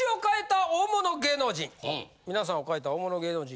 みなさんを変えた大物芸能人